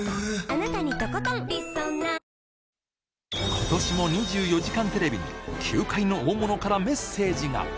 ことしも２４時間テレビに球界の大物からメッセージが。